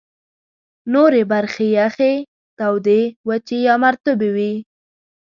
نورې برخې یخي، تودې، وچي یا مرطوبې وې.